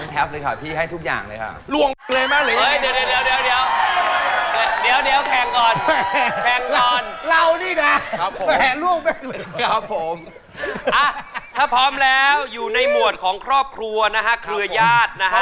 ถ้าพร้อมแล้วอยู่ในหมวดของครอบครัวนะฮะเครือญาตินะฮะ